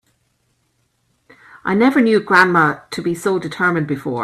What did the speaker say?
I never knew grandma to be so determined before.